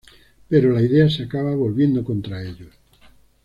Pero la idea se acaba volviendo contra ellos.